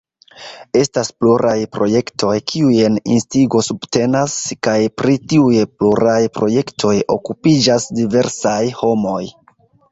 Estas pluraj projektoj, kiujn Instigo subtenas, kaj pri tiuj pluraj projektoj okupiĝas diversaj homoj.